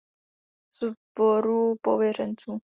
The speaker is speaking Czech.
Sboru pověřenců.